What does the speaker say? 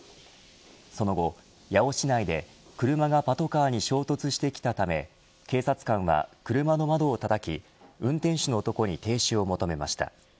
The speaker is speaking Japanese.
その後、八尾市内で車がパトカーに衝突してきたため警察官は車の窓をたたき運転手の男に停止を求めました。